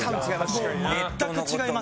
もう全く違います。